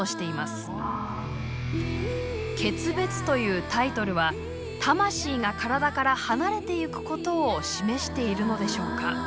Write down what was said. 「訣別」というタイトルは魂が体から離れてゆくことを示しているのでしょうか。